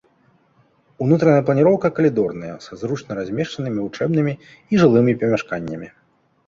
Унутраная планіроўка калідорная са зручна размешчанымі вучэбнымі і жылымі памяшканнямі.